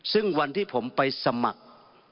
ซึ่งวันที่ผมไปสมัคร